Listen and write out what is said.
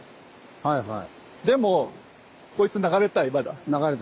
でもこいつ流れたいまだ。